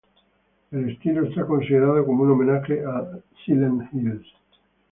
El estilo es considerado como un homenaje a Silent Hills.